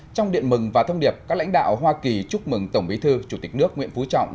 trong điện mừng và thông điệp các lãnh đạo hoa kỳ chúc mừng tổng bí thư chủ tịch nước nguyễn phú trọng